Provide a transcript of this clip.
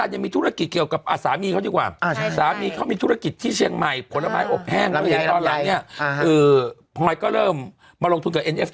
แล้วก็เป็นครีมนี่แช่ประสงค์